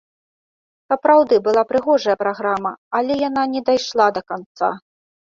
Сапраўды, была прыгожая праграма, але яна не дайшла да канца.